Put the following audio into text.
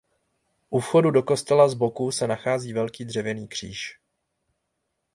U vchodu do kostela z boku se nachází velký dřevěný kříž.